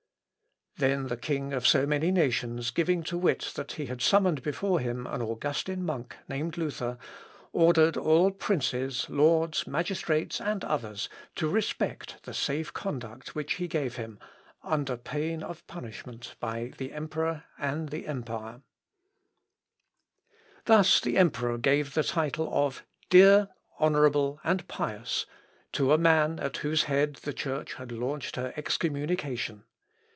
Then the king of so many nations giving to wit that he had summoned before him an Augustin monk named Luther, ordered all princes, lords, magistrates, and others, to respect the safe conduct which he gave him, under pain of punishment by the emperor and the empire. Lucas Cranach's Stammbuch, etc., herausgegeben, v. Chr. v. Mecheln, p. 12. Thus the emperor gave the title of "dear, honourable, and pious," to a man at whose head the Church had launched her excommunication.